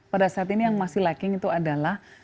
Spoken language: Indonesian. pada saat ini yang masih lacking itu adalah